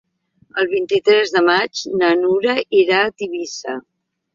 El vint-i-tres de maig na Nura irà a Tivissa.